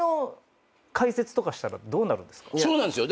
そうなんですよ。